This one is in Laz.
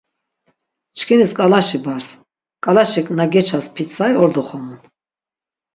Çkinis ǩalaşi bars, ǩalaşik na geças pitsari ordo xomun.